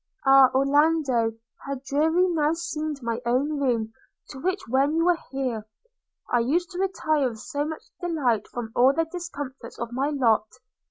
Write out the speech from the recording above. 'Ah! Orlando, how dreary now seemed my own room, to which when you were here, I used to retire with so much delight from all the discomforts of my lot!